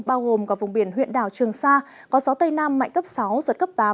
bao gồm cả vùng biển huyện đảo trường sa có gió tây nam mạnh cấp sáu giật cấp tám